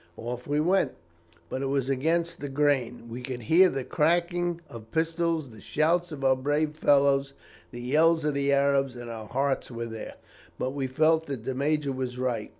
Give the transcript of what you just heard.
Off we went, but it was against the grain. We could hear the cracking of pistols, the shouts of our brave fellows, the yells of the Arabs, and our hearts were there; but we felt that the major was right.